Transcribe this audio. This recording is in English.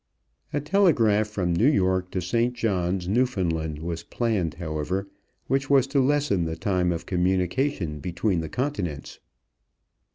A telegraph from New York to St. John's, Newfoundland, was planned, however, which was to lessen the time of communication between the continents.